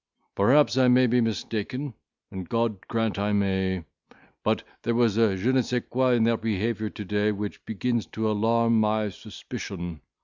Perhaps I may be mistaken, and God grant I may. But there was a je ne sais quoi in their behaviour to day, which begins to alarm my suspicion.